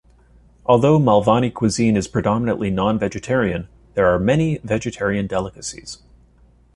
Although Malvani cuisine is predominantly non-vegetarian, there are many vegetarian delicacies.